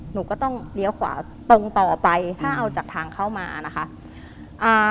หนูก็ต้องเลี้ยวขวาตรงต่อไปถ้าเอาจากทางเข้ามานะคะอ่า